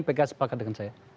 tidak sepakat dengan saya